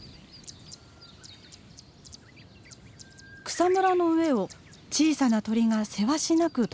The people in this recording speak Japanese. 草むらの上を小さな鳥がせわしなく飛び回っています。